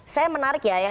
saya menarik ya